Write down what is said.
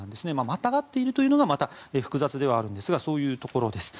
またがっているのがまた複雑ではあるんですがそういうところです。